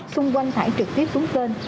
xung quanh thải trực tiếp xuống kênh